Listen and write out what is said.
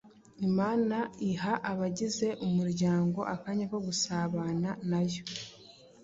Imana iha abagize umuryango akanya ko gusabana na yo,